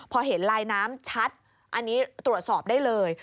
พอเห็นลายน้ำชัดอันนี้ตรวจสอบได้เลย